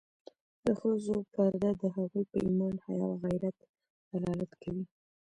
د ښځو پرده د هغوی په ایمان، حیا او غیرت دلالت کوي.